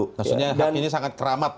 maksudnya hak ini sangat keramat